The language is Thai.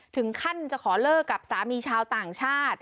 ถึงขั้นจะขอเลิกกับสามีชาวต่างชาติ